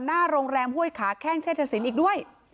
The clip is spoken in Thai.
หน้าโรงแรมห้วยขาแข้งเชษฐศิลป์อีกด้วย